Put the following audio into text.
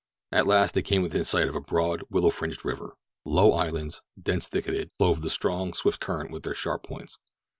At last they came within sight of a broad, willow fringed river. Low islands, dense thicketed, clove the strong, swift current with their sharp points.